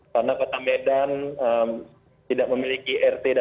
karena kota medan tidak memiliki rt